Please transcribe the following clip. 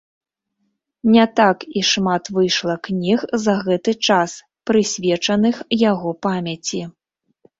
Не так і шмат выйшла кніг за гэты час, прысвечаных яго памяці.